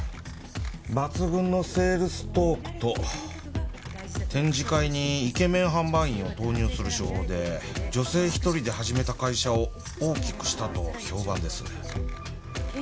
抜群のセールストークと展示会にイケメン販売員を投入する手法で女性一人で始めた会社を大きくしたと評判ですね。